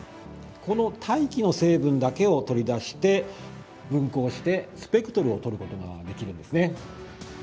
この大気の成分だけを取り出して分光してスペクトルをとることができるんですね。